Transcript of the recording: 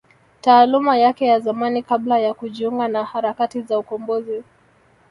Taaluma yake ya zamani kabla ya kujiunga na harakati za ukombozi